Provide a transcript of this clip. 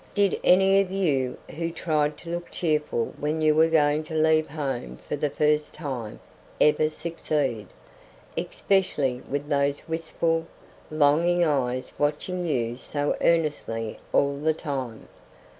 Did any of you who tried to look cheerful when you were going to leave home for the first time ever succeed, especially with those wistful, longing eyes watching you so earnestly all the time?